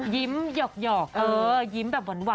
ยิ้มหยอกวันหวาน